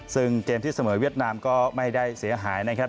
ซึ่งเกมที่เสมอเวียดนามก็ไม่ได้เสียหายนะครับ